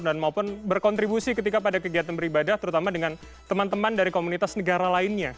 dan maupun berkontribusi ketika pada kegiatan beribadah terutama dengan teman teman dari komunitas negara lainnya